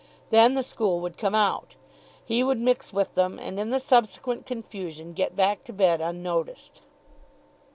Then the school would come out. He would mix with them, and in the subsequent confusion get back to bed unnoticed.